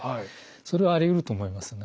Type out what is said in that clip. それはありうると思いますね。